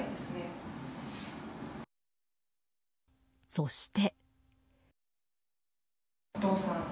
そして。